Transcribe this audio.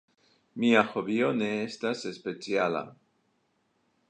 Mia hobio ne estas speciala.